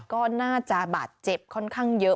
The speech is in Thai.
ก็น่าจะบาดเจ็บค่อนข้างเยอะ